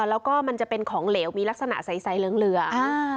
แล้วก็มันจะเป็นของเหลวมีลักษณะใสเหลือง